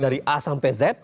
dari a sampai z